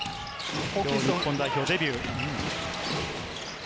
今日、日本代表デビュー。